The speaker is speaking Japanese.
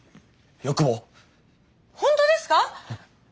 本当ですか！？